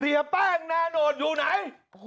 เสียแป้งนาโนตอยู่ไหน